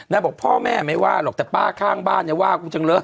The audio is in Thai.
นางก็บอกพ่อแม่ไม่ว่าหรอกแต่ป้าข้างบ้านอย่าว่ากูจังเลิศ